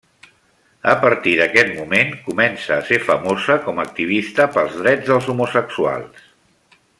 A partir d'aquest moment comença a ser famosa com a activista pels drets dels homosexuals.